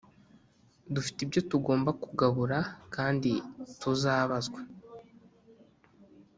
dufite ibyo tugomba kugabura kandi tuzabazwa.